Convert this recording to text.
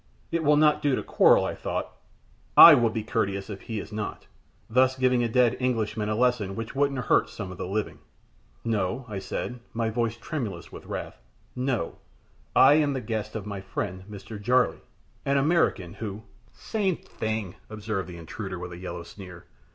It will not do to quarrel, I thought. I will be courteous if he is not, thus giving a dead Englishman a lesson which wouldn't hurt some of the living. "No," I said, my voice tremulous with wrath "no; I am the guest of my friend Mr. Jarley, an American, who " "Same thing," observed the intruder, with a yellow sneer.